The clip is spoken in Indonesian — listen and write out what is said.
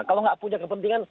kalau nggak punya kepentingan